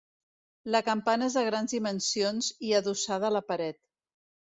La campana és de grans dimensions, i adossada a la paret.